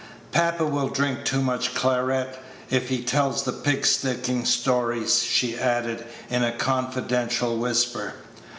Papa will drink too much claret if he tells the pig sticking stories," she added, in a confidential whisper.